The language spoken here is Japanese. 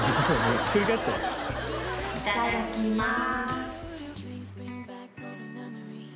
いただきます。